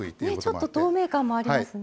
ちょっと透明感もありますね。